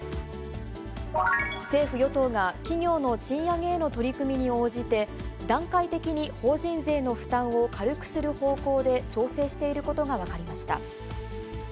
政府・与党が企業の賃上げへの取り組みに応じて、段階的に法人税の負担を軽くする方向で調整していることが分かりました。